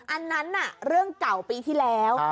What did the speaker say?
อันนั้นน่ะเรื่องเก่าปีที่แล้ว